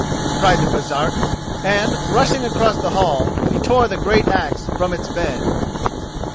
cried the Baresark, and, rushing across the hall he tore the great axe from its bed.